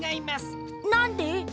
なんで？